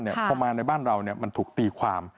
ไม่ว่าการไปดูงานต่างประเทศใช่ไหม